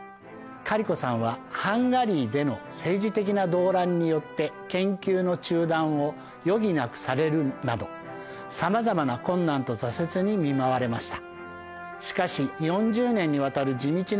カリコさんはハンガリーでの政治的な動乱によって研究の中断を余儀なくされるなどさまざまな困難と挫折に見舞われました。